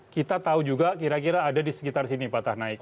kita tahu juga kira kira ada di sekitar sini patah naik